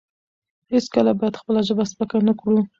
هیڅکله باید خپله ژبه سپکه نه کړو.